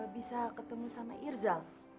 bisa ketemu sama irza